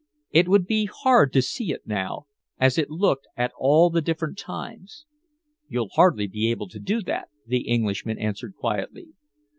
"It would be hard to see it now, as it looked at all the different times." "You'll hardly be able to do that," the Englishman answered quietly.